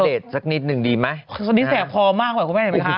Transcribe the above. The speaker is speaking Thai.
อัพเดทสักนิดหนึ่งดีมั้ยตอนนี้แสบคอมากอ่ะคุณแม่เห็นไหมคะ